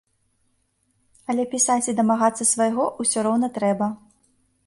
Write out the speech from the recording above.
Але пісаць і дамагацца свайго ўсё роўна трэба.